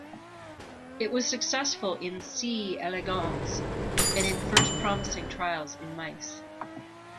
It was successful in "C. elegans" and in first promising trials in mice.